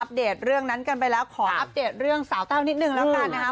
เดตเรื่องนั้นกันไปแล้วขออัปเดตเรื่องสาวแต้วนิดนึงแล้วกันนะครับ